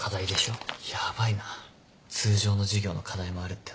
ヤバいな通常の授業の課題もあるってのに。